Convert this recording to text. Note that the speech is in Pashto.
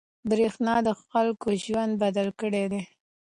برېښنا د خلکو ژوند بدل کړی دی.